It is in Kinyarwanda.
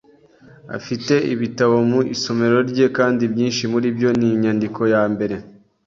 Afite ibitabo . mu isomero rye kandi ibyinshi muri byo ni inyandiko ya mbere.